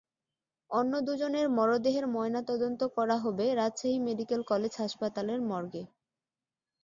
অন্য দুজনের মরদেহের ময়নাতদন্ত করা হবে রাজশাহী মেডিকেল কলেজ হাসপাতালের মর্গে।